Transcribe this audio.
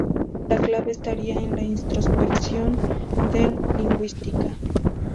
La clave estaría en la introspección del lingüista.